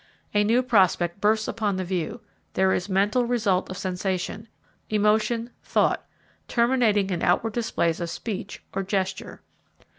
A new prospect bursts upon the view; there is mental result of sensation, emotion, thought terminating in outward displays of speech or gesture.